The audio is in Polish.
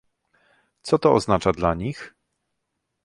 Co to oznacza dla nich?